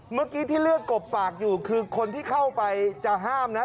เมื่อกี้ที่เลือดกบปากอยู่คือคนที่เข้าไปจะห้ามนะ